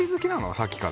さっきから。